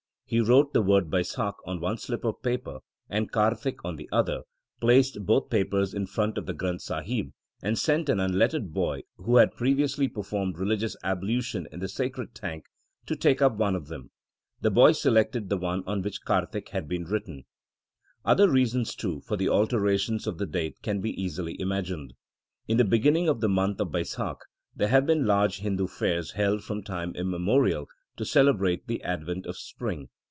He wrote the word Baisakh on one slip of paper and Kartik on the other, placed both papers in front of the Granth Sahib, and sent an unlettered boy, who had previously performed religious ablution in the sacred tank, to take up one of them. The boy selected the one on which Kartik had been written. 1 Other reasons, too, for the alterations of the date can easily be imagined. In the beginning of the month of Baisakh there have been large Hindu fairs held from time immemorial to celebrate the advent of spring.